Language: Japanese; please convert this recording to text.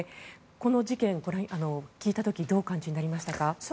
この事件、聞いた時どうお感じになりましたか？